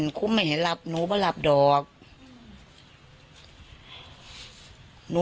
สงสันหนูเนี่ยว่าสงสันมีกระทิแววออกได้จังไหน